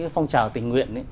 phong trào tình nguyện